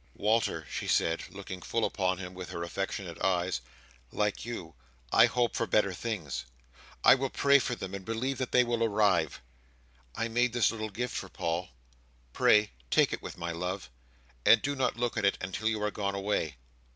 "Walter," she said, looking full upon him with her affectionate eyes, "like you, I hope for better things. I will pray for them, and believe that they will arrive. I made this little gift for Paul. Pray take it with my love, and do not look at it until you are gone away.